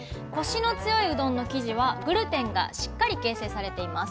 コシの強いうどんの生地はグルテンがしっかり形成されています。